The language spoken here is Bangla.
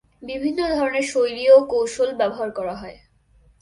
বিভিন্ন ধরনের শৈলী ও কৌশল ব্যবহার করা হয়।